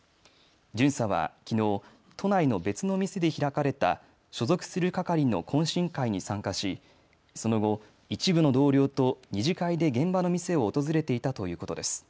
巡査はきのう都内の別の店で開かれた所属する係の懇親会に参加しその後、一部の同僚と２次会で現場の店を訪れていたということです。